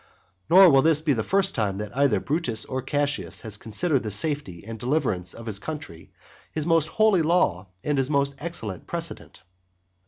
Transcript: Nor will this be the first time that either Brutus or Cassius has considered the safety and deliverance of his country his most holy law and his most excellent precedent.